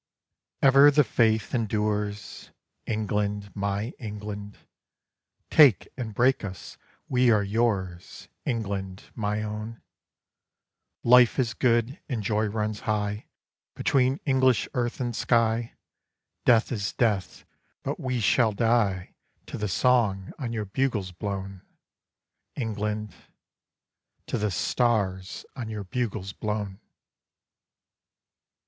Ever the faith endures, England, my England: "Take and break us: we are yours, England, my own! Life is good, and joy runs high Between English earth and sky: Death is death; but we shall die To the Song on your bugles blown, England To the stars on your bugles blown!"